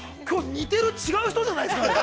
◆似てる違う人じゃないですか。